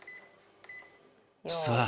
さあ